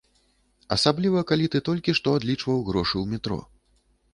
Асабліва калі ты толькі што адлічваў грошы ў метро.